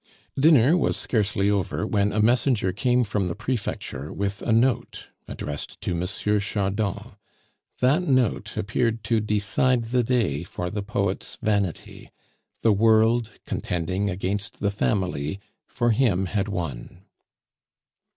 Dinner was scarcely over when a messenger came from the prefecture with a note addressed to M. Chardon. That note appeared to decide the day for the poet's vanity; the world contending against the family for him had won.